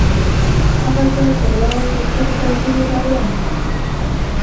هغه زه په غلا وکور ته ځیني راوړم